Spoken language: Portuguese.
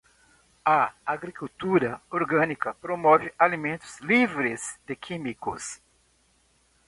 A agricultura orgânica promove alimentos livres de químicos.